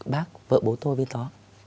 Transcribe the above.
bác vợ bố tôi bên đó